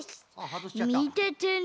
みててね！